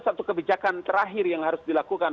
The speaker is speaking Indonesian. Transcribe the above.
satu kebijakan terakhir yang harus dilakukan